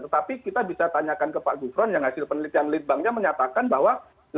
tetapi kita bisa tanyakan ke pak gufron yang hasil penelitian lead banknya menyatakan bahwa